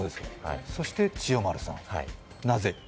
そして千代丸さん、なぜ？